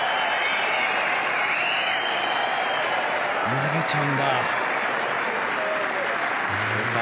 投げちゃうんだ。